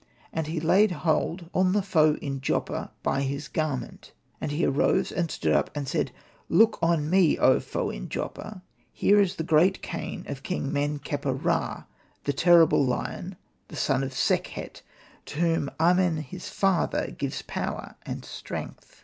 And he laid hold on the Foe in Joppa by his garment, and he arose and stood up, and said, '' Look on me, O Foe in Joppa ; here is 'the great cane of King Men kheper ra, the terrible lion, the son of Sekhet, to whom Amen his father gives power and strength."